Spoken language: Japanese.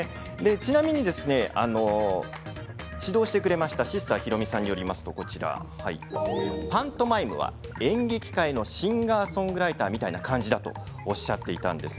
ちなみに指導してくれましたシスターひろみさんによりますとパントマイムは演劇界のシンガーソングライターみたいな感じだとおっしゃっていたんです。